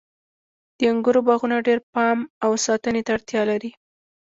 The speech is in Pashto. د انګورو باغونه ډیر پام او ساتنې ته اړتیا لري.